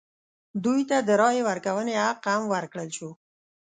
دوی ته د رایې ورکونې حق هم ورکړل شو.